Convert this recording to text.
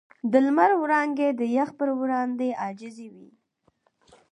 د لمر وړانګې د یخ پر وړاندې عاجزې وې.